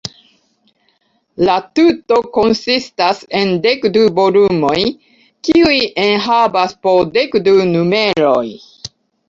La tuto konsistas en dek du volumoj, kiuj enhavas po dek du numeroj.